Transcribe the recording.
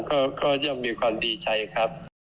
ก็ย่อมมีความดีใจครับ